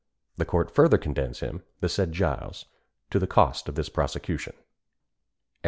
The court further condemns him, the said Gilles, to the costs of this prosecution."